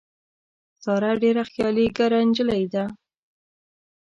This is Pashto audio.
ساره ډېره خیالي ګره نجیلۍ ده.